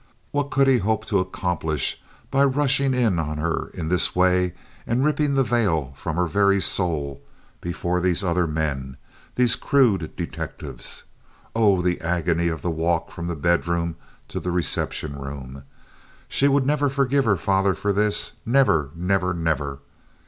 What could he hope to accomplish by rushing in on her in this way and ripping the veil from her very soul before these other men—these crude detectives? Oh, the agony of that walk from the bedroom to the reception room! She would never forgive her father for this—never, never, never!